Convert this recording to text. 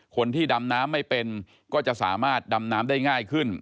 คนที่ดำน้ำไม่เป็นก็จะสามารถดำน้ำได้ง่ายขึ้น